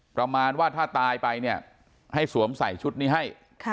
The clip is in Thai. ประมาณว่าถ้าตายไปเนี่ยให้สวมใส่ชุดนี้ให้